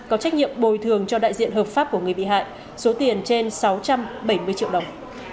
có trách nhiệm bồi thường cho đại diện hợp pháp của người bị hại số tiền trên sáu trăm bảy mươi triệu đồng